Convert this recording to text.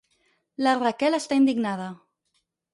La Raquel està indignada.